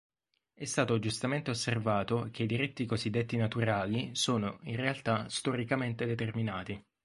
È stato giustamente osservato che i diritti cosiddetti naturali sono, in realtà, storicamente determinati.